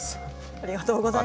ありがとうございます。